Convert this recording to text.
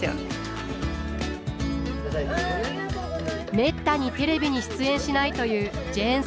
めったにテレビに出演しないというジェーン・スーさん。